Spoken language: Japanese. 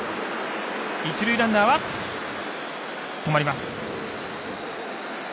一塁ランナーは止まります。